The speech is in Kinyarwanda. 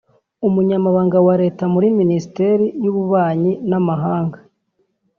Umunyamabanga wa Leta muri Minisiteri y’Ububanyi n’Amahanga